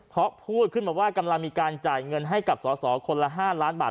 เพราะพูดขึ้นมาว่ากำลังมีการจ่ายเงินให้กับสอสอคนละ๕ล้านบาท